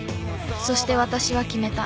そしてわたしは決めた。